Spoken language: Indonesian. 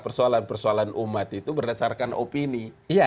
persoalan persoalan umat itu berdasarkan opini